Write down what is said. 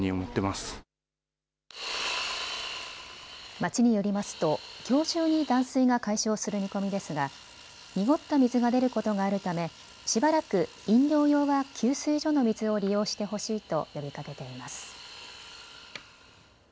町によりますときょう中に断水が解消する見込みですが濁った水が出ることがあるためしばらく飲料用は給水所の水を利用してほしいと呼びかけています。